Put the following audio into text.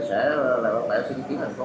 cái này sẽ là bản bản suy nghĩ kỹ thành phố